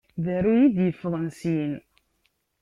D aruy i d-yeffɣen syin.